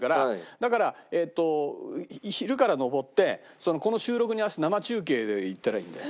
だからえっと昼から登ってこの収録に合わせて生中継で行ったらいいんだよ。